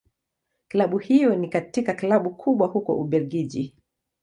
Klabu hiyo ni katika Klabu kubwa huko Ubelgiji.